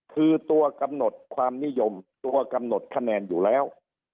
คือตัวกำหนดความนิยมตัวกำหนดคะแนนอยู่แล้ว